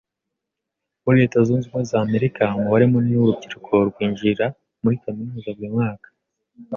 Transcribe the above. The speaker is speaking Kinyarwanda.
Muri Leta zunze ubumwe za Amerika umubare munini wurubyiruko rwinjira muri kaminuza buri mwaka